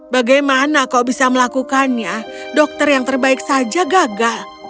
bagaimana kau bisa melakukannya dokter yang terbaik saja gagal